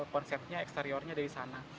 konsepnya eksteriornya dari sana